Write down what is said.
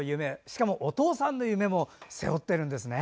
しかも、お父さんの夢も背負ってるんですね。